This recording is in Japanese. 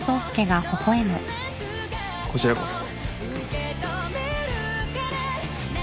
こちらこそ。